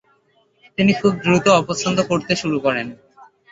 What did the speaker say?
তিনি খুব দ্রুত অপছন্দ করতে শুরু করেন।